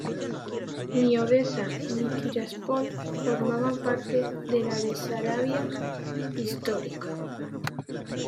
Ni Odesa ni Tiraspol formaban parte de la Besarabia histórica.